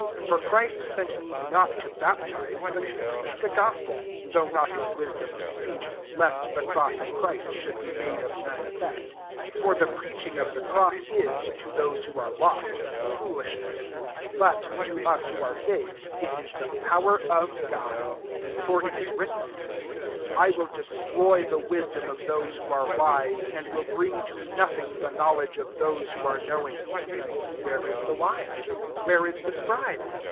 ' 17 For Christ sent me not i^ baptize, but to preach the pi pel; though not in, mmm of speech, lest the crcM^ if Christ should be made of oatf effect 18 Fortlie prcacH the cross is, to those who ak^ lost, foolishness; bat) to ta^ ' Or. CepbM, be. PMtr» 1 CORINTHIANS IL 273 ho ai*e saved, it is the power r God. 19 For it is written, I will destroy the wisdom of lose who are wise, and will ring to nothing the knowledge f those who are knowing." 20 ^here is the wise ? where ia \e scribe?